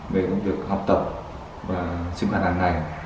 về công việc học tập và sinh hoạt hàng ngày